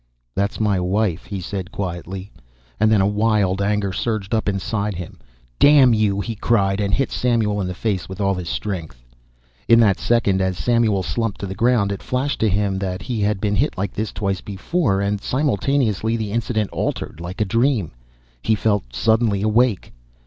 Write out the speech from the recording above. "That's my wife," he said quietly, and then a wild anger surged up inside him. "Damn you!" he cried and hit Samuel in the face with all his strength. In that second, as Samuel slumped to the ground, it flashed to him that he had been hit like that twice before, and simultaneously the incident altered like a dream he felt suddenly awake.